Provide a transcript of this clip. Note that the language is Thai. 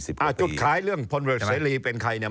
ด้านผู้สมัครแก่จุดขายเรื่องภัณฑ์เศรษฐีเป็นใครเนี่ย